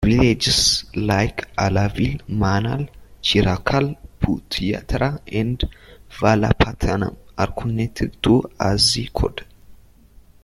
Villages like Alavil, Manal, Chirakkal, Puthiyatheru and Valapattanam are connected to Azhikode.